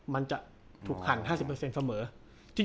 มันจะถูกหั่น๕๐เปอร์เซ็นต์เสมอ